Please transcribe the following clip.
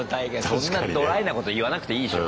そんなドライなこと言わなくていいでしょ。